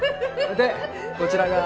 でこちらが。